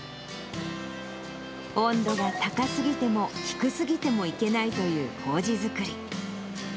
温度が高すぎても低すぎてもいけないというこうじ造り。